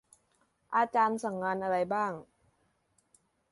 อาจารย์สั่งงานอะไรบ้าง